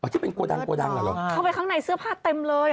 ที่เป็นโกดังโกดังเหรอเข้าไปข้างในเสื้อผ้าเต็มเลย